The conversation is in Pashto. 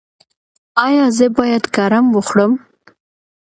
ایا زه باید کرم وخورم؟